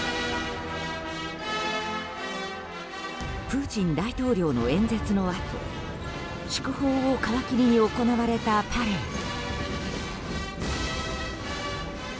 プーチン大統領の演説のあと祝砲を皮切りに行われたパレード。